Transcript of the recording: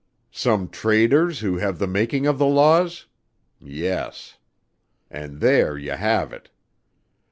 Some traders who have the making of the laws? Yes. And there you have it.